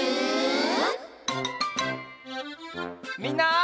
みんな。